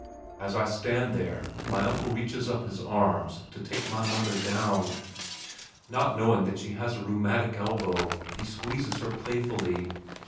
As I stand there my uncle reaches up his arms to take my mother down. Not knowing that she has a rheumatic elbow, he squeezes her playfully.